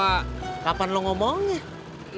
aku bukan pertanyaan dariierz